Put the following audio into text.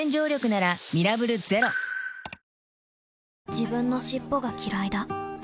自分の尻尾がきらいだ